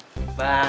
aduh ada apa ya